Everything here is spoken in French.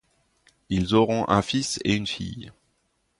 Ils auront un fils et une fille.